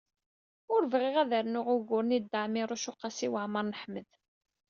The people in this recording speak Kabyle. Ur bɣiɣ ad d-rnuɣ uguren i Dda Ɛmiiruc u Qasi Waɛmer n Ḥmed.